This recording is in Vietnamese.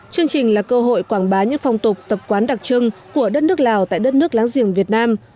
chương trình là cơ hội quảng bá những phong tục tập quán đặc trưng của đất nước lào tại đất nước láng giềng việt nam